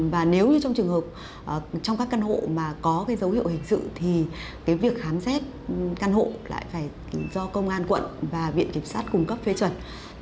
và nếu như trong trường hợp trong các căn hộ mà có cái dấu hiệu hình sự thì cái việc khám xét căn hộ lại phải do công an quận và viện kiểm sát cung cấp phê chuẩn